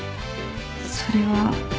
それは